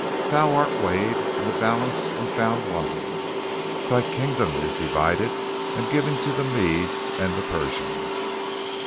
Thou art weighed in the balance and found wanting; thy Kingdom is divided and given to the Medes and the Persians."